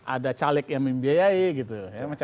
ada caleg yang membiayai gitu